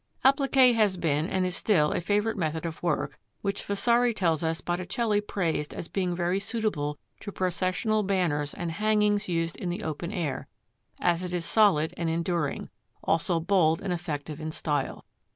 Appliqué has been, and is still, a favourite method of work, which Vasari tells us Botticelli praised as being very suitable to processional banners and hangings used in the open air, as it is solid and enduring, also bold and effective in style.